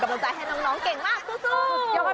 กำลังใจให้น้องเก่งมากสู้